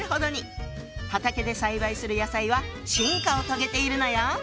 畑で栽培する野菜は進化を遂げているのよ！